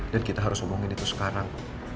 dan kita harus omongin itu sekarang